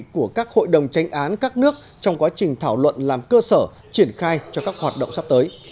của các hội đồng tranh án các nước trong quá trình thảo luận làm cơ sở triển khai cho các hoạt động sắp tới